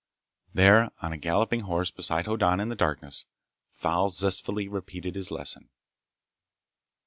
There on a galloping horse beside Hoddan in the darkness, Thal zestfully repeated his lesson.